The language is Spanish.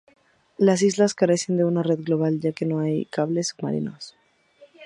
Las islas carecen de una red global, ya que no hay cables submarinos.